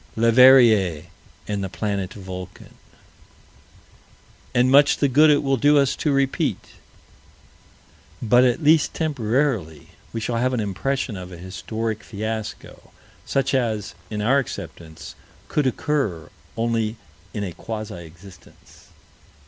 Leverrier and the "planet Vulcan." And much the good it will do us to repeat. But at least temporarily we shall have an impression of a historic fiasco, such as, in our acceptance, could occur only in a quasi existence.